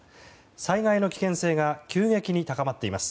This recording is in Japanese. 災害の危険性が急激に高まっています。